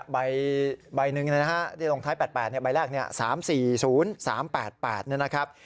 ใบหนึ่งที่ลงท้าย๘๘ใบแรก๓๔๐๓๘๘นะครับ